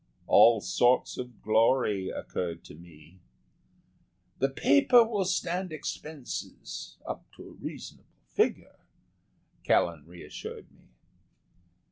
"All sorts of glory," occurred to me. "The paper will stand expenses up to a reasonable figure," Callan reassured me.